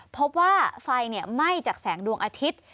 พบว่าไฟไหม้จากแสงดวงอาทิตย์